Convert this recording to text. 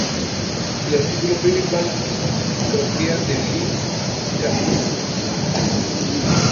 Artículo principal: Discografía de Lil Skies.